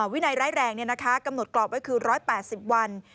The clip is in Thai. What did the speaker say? วินัยร้ายแรงเนี่ยนะคะกำหนดกรอบว่าคือ๑๘๐วัน